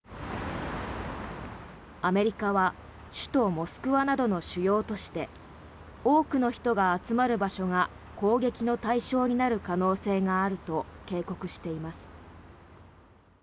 アメリカは首都モスクワなどの主要都市で多くの人が集まる場所が攻撃の対象になる可能性があると警告しています。